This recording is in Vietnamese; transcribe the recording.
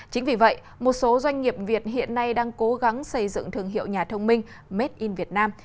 chính vì vậy một số doanh nghiệp việt hiện nay đang cố gắng xây dựng thương hiệu nhà thông minh made in vietnam